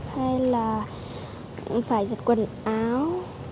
hay là phải giật quần áo